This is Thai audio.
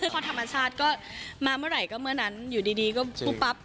คือเขาธรรมชาติก็มาเมื่อไหร่ก็เมื่อนั้นอยู่ดีก็ปุ๊บปั๊บ